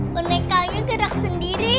bonekanya gerak sendiri